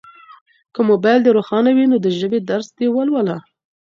که موبایل دي روښانه وي نو د ژبې درس دي ولوله.